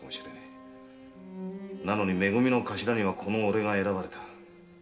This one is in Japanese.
なのにめ組の頭にはこの俺が選ばれた。